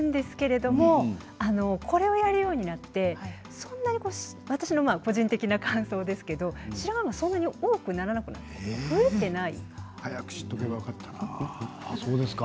でも、これをやるようになって私の個人的な感想ですけれど白髪がそんなに多くならないようになった増えていないと思います。